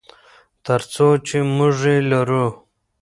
تر څو چې موږ یې لرو.